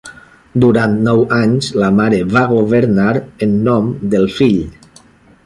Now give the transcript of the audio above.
Durant nou anys la mare va governar en nom del fill.